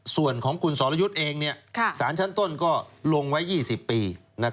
ส่วนของคุณสรยุทธ์เองสารชั้นต้นก็ลงไว้๒๐ปี